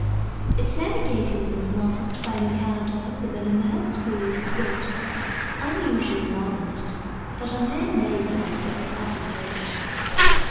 Its navigating was marked by an encounter with an immense school of squid, unusual mollusks that are near neighbors of the cuttlefish.